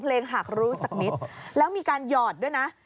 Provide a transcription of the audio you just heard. หากรู้สักนิดแล้วมีการหยอดด้วยนะ